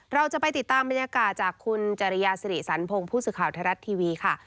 เราจะไปติดตามบรรยากาศจากคุณจริยาศรีสันพงภูมิสุข่าวทรัฐทีวีค่ะ